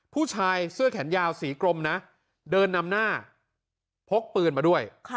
ผู้ชายเสื้อแขนยาวสีกลมนะเดินนำหน้าพกปืนมาด้วย